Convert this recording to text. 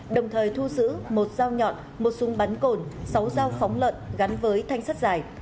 đồng thời thu giữ một dao nhọn một súng bắn cồn sáu dao phóng lợn gắn với thanh sắt dài